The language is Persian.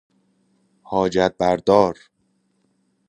حاجت بردار